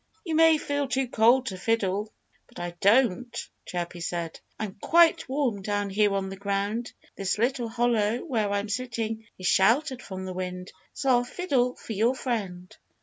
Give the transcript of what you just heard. "You may feel too cold to fiddle; but I don't!" Chirpy said. "I'm quite warm down here on the ground. This little hollow where I'm sitting is sheltered from the wind. So I'll fiddle for your friend."